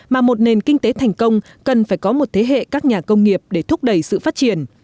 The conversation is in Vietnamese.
mà một nền kinh tế thành công cần phải có một thế hệ các nhà công nghiệp để thúc đẩy sự phát triển